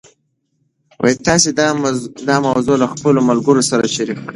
تاسي دا موضوع له خپلو ملګرو سره شریکه کړئ.